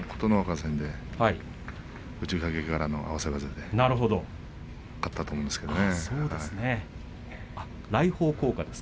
琴ノ若戦で内掛けからの合わせ技で勝ったと思うんですけれどね。